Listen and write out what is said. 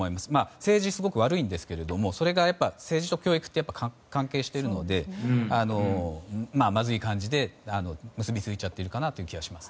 政治はすごく悪いんですが政治と教育ってやっぱり関係しているのでまずい感じで結びついている気がします。